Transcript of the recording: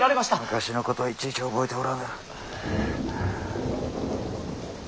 昔のことをいちいち覚えておらぬ。